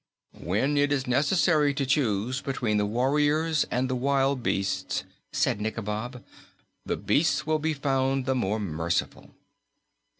"When it is necessary to choose between the warriors and the wild beasts," said Nikobob, "the beasts will be found the more merciful."